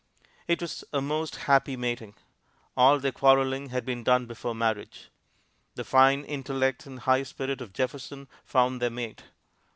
It was a most happy mating all their quarreling had been done before marriage. The fine intellect and high spirit of Jefferson found their mate.